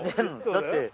・だって。